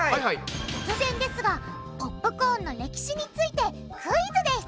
突然ですがポップコーンの歴史についてクイズです！